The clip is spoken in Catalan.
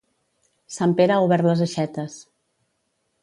Sant Pere ha obert les aixetes.